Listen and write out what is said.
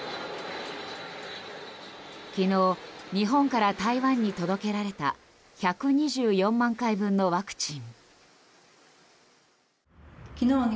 昨日日本から台湾に届けられた１２４万回分のワクチン。